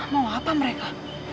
mau apa mereka